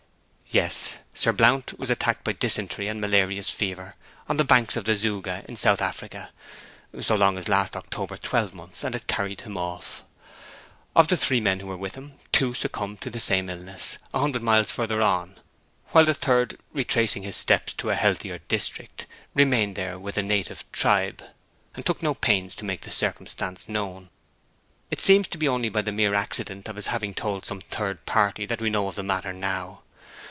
'Yes. Sir Blount was attacked by dysentery and malarious fever, on the banks of the Zouga in South Africa, so long ago as last October twelvemonths, and it carried him off. Of the three men who were with him, two succumbed to the same illness, a hundred miles further on; while the third, retracing his steps into a healthier district, remained there with a native tribe, and took no pains to make the circumstances known. It seems to be only by the mere accident of his having told some third party that we know of the matter now.